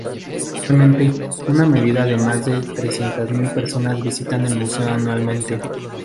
Actualmente, una media de más de trescientas mil personas visitan el museo anualmente.